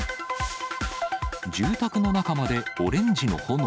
住宅の中までオレンジの炎。